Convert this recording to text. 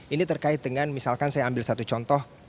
ini terkait dengan misalkan saya ambil satu contoh